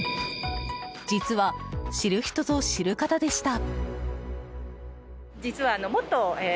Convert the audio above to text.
実は、知る人ぞ知る方でした。